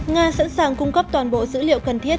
nga sẵn sàng cung cấp toàn bộ dữ liệu cần thiết